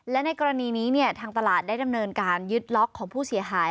และในกรณีนี้ทางตลาดได้ดำเนินการยึดล็อกของผู้เสียหาย